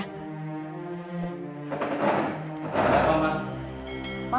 selamat datang mama